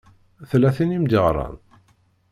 Tella tin i m-d-iɣṛan?